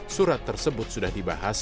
surat tersebut sudah dibahas